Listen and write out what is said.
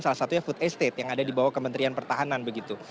salah satunya food estate yang ada di bawah kementerian pertahanan begitu